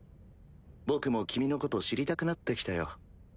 僕も君のこと知りたくなってきたよ